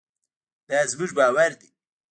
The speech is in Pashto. دا زموږ باور دی.